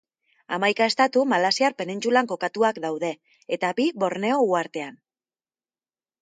Hamaika estatu Malaysiar penintsulan kokatuak daude eta bi Borneo uhartean.